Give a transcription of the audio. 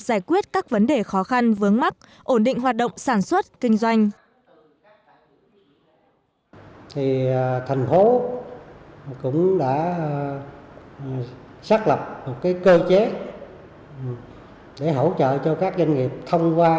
giải quyết các vấn đề khó khăn vướng mắc ổn định hoạt động sản xuất kinh doanh